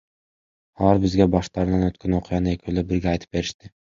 Алар бизге баштарынан өткөн окуяны экөөлөп бирге айтып беришти.